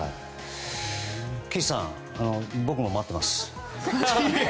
貴一さん、僕も待っています。